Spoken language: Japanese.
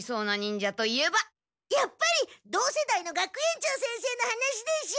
やっぱり同世代の学園長先生の話でしょ。